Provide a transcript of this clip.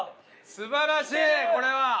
素晴らしいこれは。